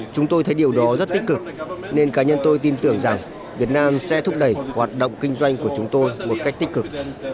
chúng tôi thấy điều đó rất tích cực nên cá nhân tôi tin tưởng rằng việt nam sẽ thúc đẩy hoạt động kinh doanh của chúng tôi một cách tích cực